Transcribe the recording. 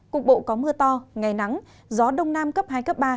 cục bộ có mưa to ngày nắng gió đông nam cấp hai cấp ba